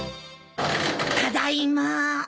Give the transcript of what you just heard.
ただいま。